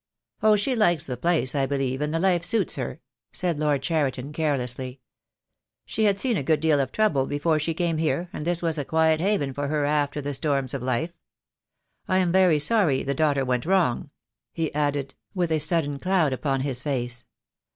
"Oh, she likes the place, I believe, and the life suits her," said Lord Cheriton, carelessly. "She had seen a good deal of trouble before she came here, and this was a quiet haven for her after the storms of life. I am very sorry the daughter went wrong," he added, with a sud den cloud upon his face.